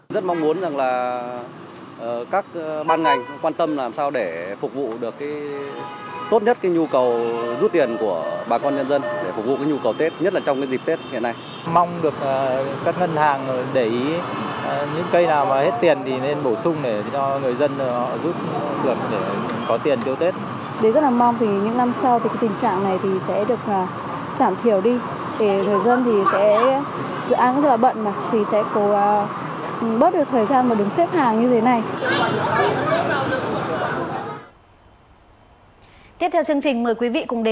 rất mong muốn rằng là các ban ngành quan tâm làm sao để